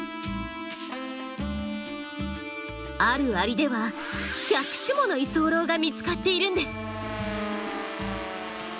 あるアリでは１００種もの居候が見つかっているんです。